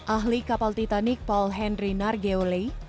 ahli kapal titanic paul henry nargeole